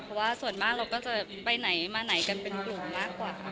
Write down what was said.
เพราะว่าส่วนมากเราก็จะไปไหนมาไหนกันเป็นกลุ่มมากกว่าค่ะ